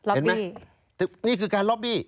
อ่าล็อบบี้นี่คือการล็อบบี้